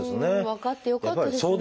分かってよかったですね。